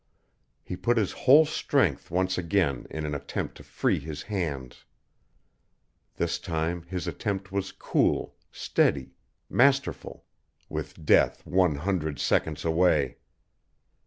He put his whole strength once again in an attempt to free his hands. This time his attempt was cool, steady, masterful with death one hundred seconds away.